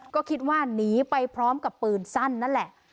ก็คิดว่าหนีไปพร้อมกับปืนสั้นนั่นแหละ